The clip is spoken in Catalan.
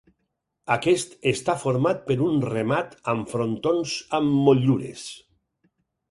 Aquest està format per un remat amb frontons amb motllures.